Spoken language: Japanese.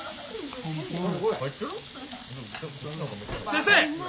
先生！